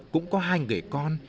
cũng có hai người con